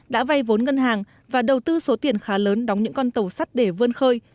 đã vay vốn ngân hàng và đầu tư số tiền khá lớn đóng những con tàu sắt để vươn khơi